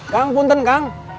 kang punten kang